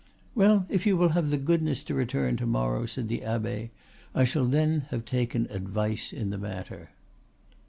"Well, if you will have the goodness to return to morrow," said the abbe, "I shall then have taken advice in the matter."